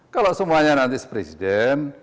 kalau semuanya nanti sepresiden